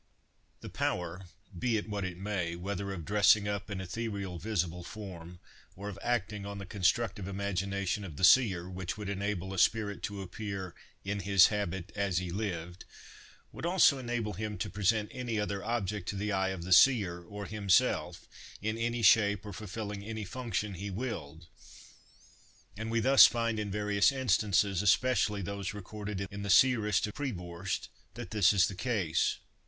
THE power, be it what it may, whether of dressing up an ethereal visible form, or of acting on the constructive imagination of the seer, which would enable a spirit to appear "in his habit as he lived," would also enable him to present any other object to the eye of the seer, or himself in any shape, or fulfilling any function he willed; and we thus find in various instances, especially those recorded in the Seeress of Prevorst, that this is the case.